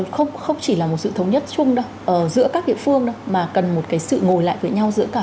không chỉ là một sự thống nhất chung ở giữa các địa phương mà cần một cái sự ngồi lại với nhau giữa cả